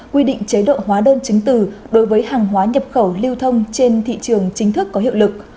quy định chế độ hóa đơn chứng từ đối với hàng hóa nhập khẩu lưu thông trên thị trường chính thức có hiệu lực